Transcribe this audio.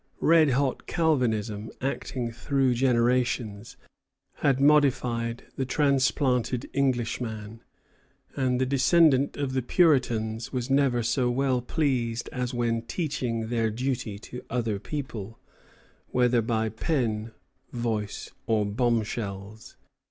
Red hot Calvinism, acting through generations, had modified the transplanted Englishman; and the descendant of the Puritans was never so well pleased as when teaching their duty to other people, whether by pen, voice, or bombshells.